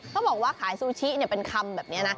เขาบอกว่าขายซูชิเป็นคำแบบนี้นะ